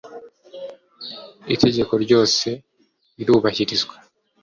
itegeko ryose rirubahirizwa.